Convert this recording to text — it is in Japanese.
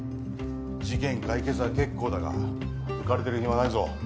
事件解決は結構だが浮かれてる暇はないぞ。